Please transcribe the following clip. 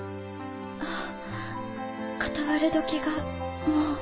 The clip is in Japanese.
あっかたわれ時がもう。